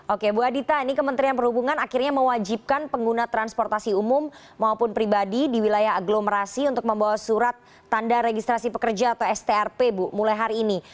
oke bu adita ini kementerian perhubungan akhirnya mewajibkan pengguna transportasi umum maupun pribadi di wilayah agglomerasi untuk membawa surat tanda registrasi pekerja atau strp bu mulai hari ini